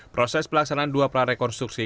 proses pelaksanaan dua prarekonstruksi